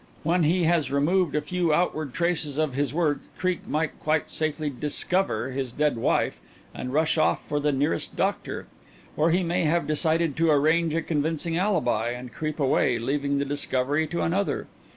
When he has removed a few outward traces of his work Creake might quite safely 'discover' his dead wife and rush off for the nearest doctor. Or he may have decided to arrange a convincing alibi, and creep away, leaving the discovery to another.